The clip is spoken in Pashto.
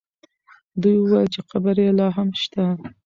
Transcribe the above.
دوی وویل چې قبر یې لا هم شته.